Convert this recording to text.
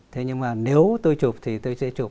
thế nhưng mà nếu tôi chụp thì tôi sẽ chụp